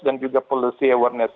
dan juga policy awareness